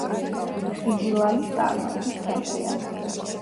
ხიზილალის წარმოების ცენტრია.